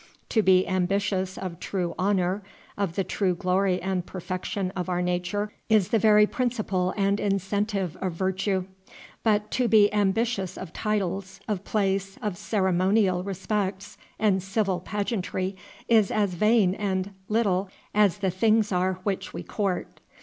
To be ambitious of true honor, of the true glory and perfection of our nature is the very principle and incentive of virtue; but to be ambitious of titles, of place, of ceremonial respects and civil pageantry is as vain and little as the things are which we court.